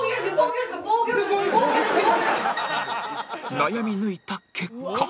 悩み抜いた結果